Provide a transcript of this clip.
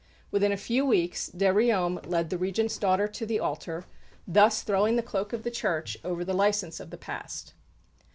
Within a few weeks, de Riom led the Regent's daughter to the altar, thus throwing the cloak of the Church over the licence of the past.